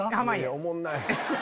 おもんない。